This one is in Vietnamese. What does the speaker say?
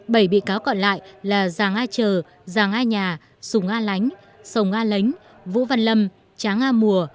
bảy bị cáo còn lại là giàng a trờ giàng a nhà sùng a lánh sùng a lánh vũ văn lâm tráng a mùa